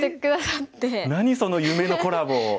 何その夢のコラボ。